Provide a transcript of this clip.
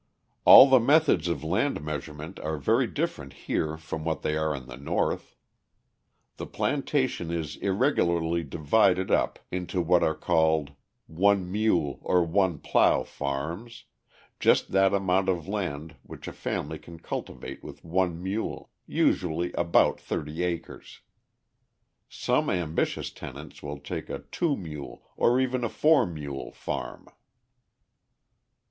All the methods of land measurement are very different here from what they are in the North. The plantation is irregularly divided up into what are called one mule or one plough farms just that amount of land which a family can cultivate with one mule usually about thirty acres. Some ambitious tenants will take a two mule or even a four mule farm.